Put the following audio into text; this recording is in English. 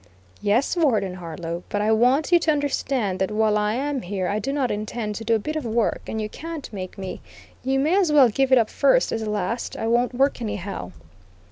"Yes, Warden Harlow; but I want you to understand that while I am here I do not intend to do a bit of work, and you can't make me. You may as well give it up first as last; I won't work anyhow."